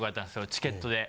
チケットで。